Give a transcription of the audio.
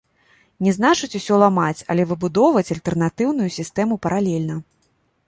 Не значыць усё ламаць, але выбудоўваць альтэрнатыўную сістэму паралельна.